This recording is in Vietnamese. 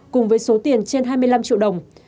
cùng với số tiền trên hai mươi năm triệu đồng